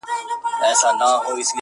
گرانه شاعره صدقه دي سمه.